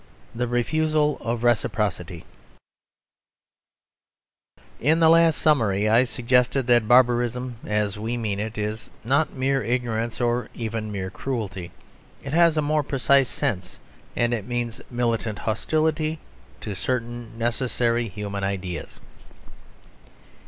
II THE REFUSAL OF RECIPROCITY In the last summary I suggested that Barbarism, as we mean it, is not mere ignorance or even mere cruelty. It has a more precise sense, and means militant hostility to certain necessary human ideas.